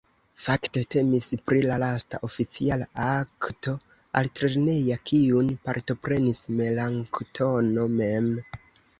Fakte temis pri la lasta oficiala akto altlerneja kiun partoprenis Melanktono mem.